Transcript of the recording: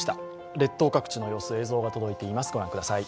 列島各地の様子、映像が届いています、御覧ください。